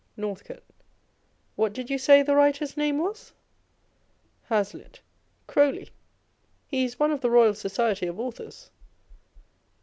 Northcote. What did you say the writer's name was? Hazlitt. Croly. He is . one of the Eoyal Society of Authors.